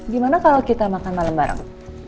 gimana kalau kita makan malam bareng